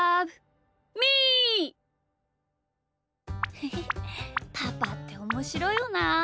へへパパっておもしろいよなあ。